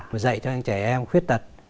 và dạy cho những trẻ em khuyết tật